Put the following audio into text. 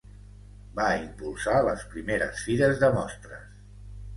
Va impulsar les primeres Fires de Mostres.